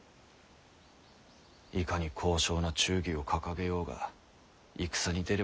いかに高尚な忠義を掲げようが戦に出れば腹は減る。